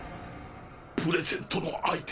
プレゼントの相手。